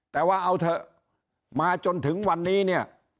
แต่ว่าเอาเถอะมาจนถึงวันนี้เนี่ย